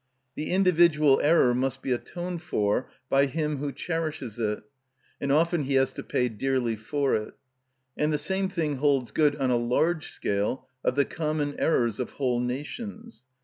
The individual error must be atoned for by him who cherishes it, and often he has to pay dearly for it. And the same thing holds good on a large scale of the common errors of whole nations.